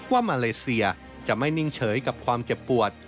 ว่ามาเลเซียจะไม่นิ่งเฉยกับความเจ็บปวด